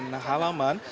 dan membersihkan halaman